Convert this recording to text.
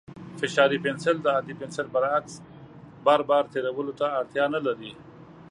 فشاري پنسل د عادي پنسل برعکس، بار بار تېرولو ته اړتیا نه لري.